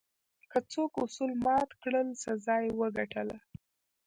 که څوک اصول مات کړل، سزا یې وګټله.